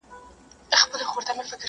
همېشه پر حیوانانو مهربان دی..